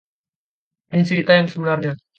Ini cerita yang sebenarnya.